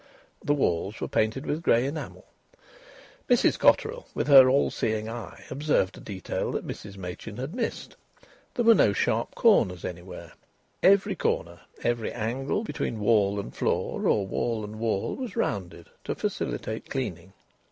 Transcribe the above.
The walls were painted with grey enamel. Mrs Cotterill, with her all seeing eye, observed a detail that Mrs Machin had missed. There were no sharp corners anywhere. Every corner, every angle between wall and floor or wall and wall, was rounded, to facilitate cleaning.